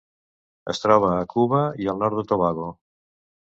Es troba a Cuba i al nord de Tobago.